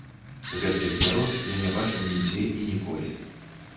Гэткіх бяроз я не бачыў нідзе і ніколі.